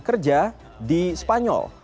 kerja di spanyol